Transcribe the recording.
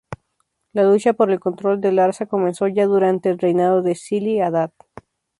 La lucha por el control de Larsa comenzó ya durante el reinado de Silli-Adad.